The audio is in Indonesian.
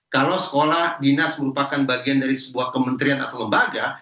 kalau sekolah dinas merupakan bagian dari sebuah kementerian atau lembaga